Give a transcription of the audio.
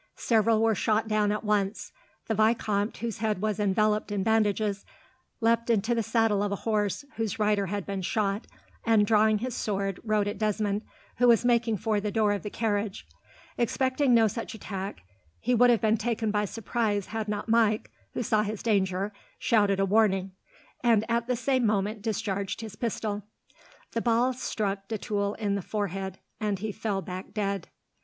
Several were shot down at once. The vicomte, whose head was enveloped in bandages, leapt into the saddle of a horse whose rider had been shot, and, drawing his sword, rode at Desmond, who was making for the door of the carriage. Expecting no such attack, he would have been taken by surprise had not Mike, who saw his danger, shouted a warning, and at the same moment discharged his pistol. The ball struck de Tulle in the forehead, and he fell back dead.